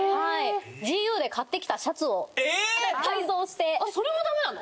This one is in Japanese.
ＧＵで買ってきたシャツを改造してそれもダメなの？